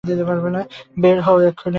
বের হও এক্ষুণি।